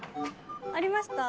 ありました？